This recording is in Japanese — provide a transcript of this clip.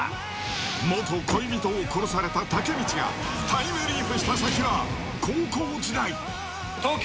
元恋人を殺されたタケミチがタイムリープした先は高校時代。